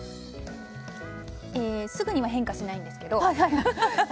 すぐには変化しないんですけど。